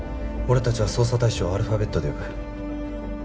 俺たちは捜査対象をアルファベットで呼ぶ。